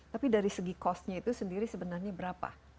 tapi dari segi costnya itu sendiri sebenarnya berapa